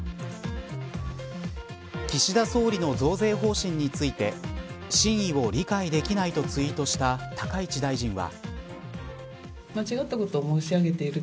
岸田総理の増税を方針について真意を理解できないとツイートした高市大臣は。